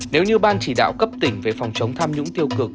nếu như ban chỉ đạo cấp tỉnh về phòng chống tham nhũng tiêu cực